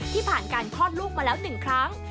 ที่ผ่านการคลอดลูกมาแล้วหนึ่งครั้ง